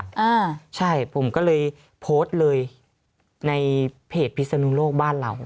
อ่าใช่ผมก็เลยโพสต์เลยในเพจพิศนุโลกบ้านเรา